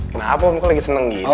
kenapa om lo lagi seneng gitu